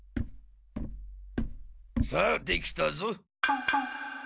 さあできたぞ。